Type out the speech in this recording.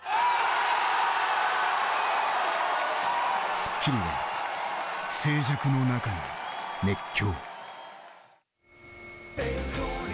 『スッキリ』は静寂の中の熱狂。